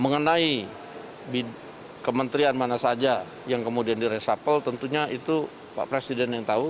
mengenai kementerian mana saja yang kemudian di resapel tentunya itu pak presiden yang tahu